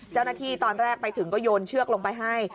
เจ้าหน้าที่ตอนแรกไปถึงก็โยนเชือกลงไปให้